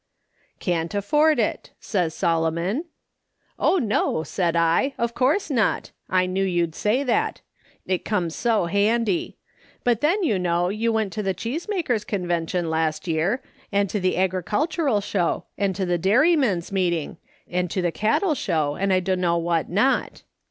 "' Can't afford it,' says Solomon. "' Oh, no,' said I, ' of course not ; I knew you'd say that ; it comes so handy ; but, then, you know, you •went to the Cheesemakers* Convention last year, and to the Agricultural Show, and to the Dairymen's Meeting, and to the Cattle Show, and I dunno what not.'